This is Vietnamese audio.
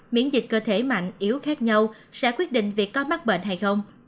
miễn dịch cơ thể mạnh yếu khác nhau sẽ quyết định việc có mắc bệnh hay không